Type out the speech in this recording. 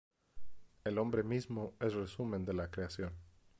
El hombre mismo es resumen de la creación.